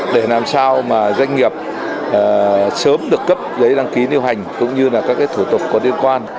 để làm sao doanh nghiệp sớm được cấp giấy đăng ký điều hành cũng như các thủ tục có liên quan